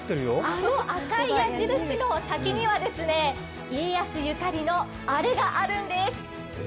あの赤い矢印の先には家康ゆかりのあれがあるんです。